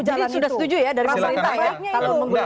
jadi sudah setuju ya dari pemerintah